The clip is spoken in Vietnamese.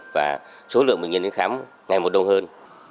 và số lượng bệnh nhân đến khám ngày một đông hơn